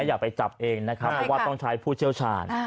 อย่าไปจับเองนะครับเพราะว่าต้องใช้ผู้เชี่ยวชาญ